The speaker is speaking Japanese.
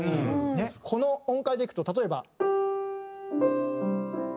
この音階でいくと例えば。